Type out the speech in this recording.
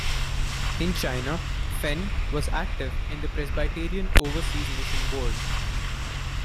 In China, Fenn was active in the Presbyterian Overseas Mission Board.